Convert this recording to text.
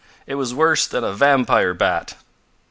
It was worse than a vampire bat!"